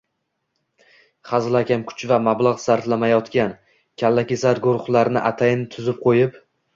hazilakam kuch va mablag‘ sarflamayotgan, kallakesar guruhlarni atayin tuzib qo‘yib